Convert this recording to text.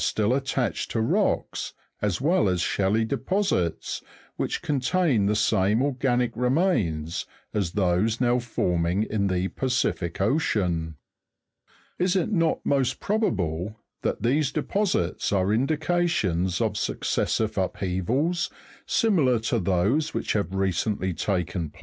still attached to rocks, as well as shelly deposits, which contain the same organic remains as those now forming in the Pacific Ocean. Is it not most probable that these deposits are indications of suc cessive upheavals, similar to those which have recently taken place?